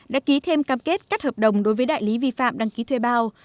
đã ký thêm cam kết cắt hợp đồng đối với đại lý vi phạm đăng ký thuê bao